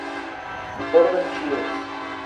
Gordon Cheers